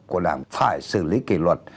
của đảng phải xử lý kỳ luật